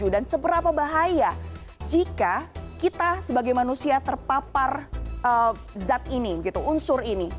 dan seberapa bahaya jika kita sebagai manusia terpapar zat ini unsur ini